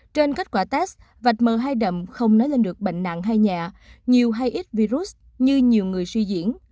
trên kết quả test vạch m hai đậm không nói lên được bệnh nặng hay nhẹ nhiều hay ít virus như nhiều người suy diễn